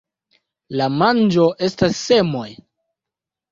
La manĝo estas semoj.